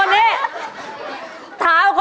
เยี่ยม